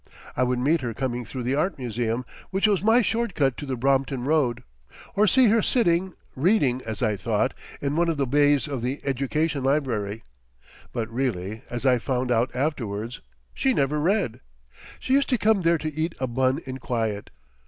I would meet her coming through the Art Museum, which was my short cut to the Brompton Road, or see her sitting, reading as I thought, in one of the bays of the Education Library. But really, as I found out afterwards, she never read. She used to come there to eat a bun in quiet.